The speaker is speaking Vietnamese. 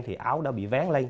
thì áo đã bị vén lên